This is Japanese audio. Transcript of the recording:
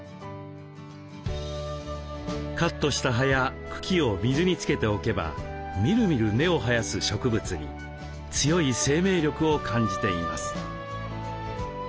カットした葉や茎を水につけておけばみるみる根を生やす植物に強い生命力を感じています。